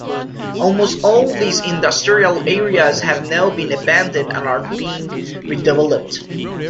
Almost all these industrial areas have now been abandoned and are being redeveloped.